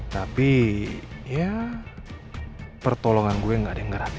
tapi ya pertolongan gue gak ada yang ngeragi